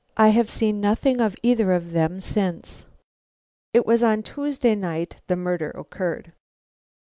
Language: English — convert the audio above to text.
I have seen nothing of either of them since." (It was on Tuesday night the murder occurred.)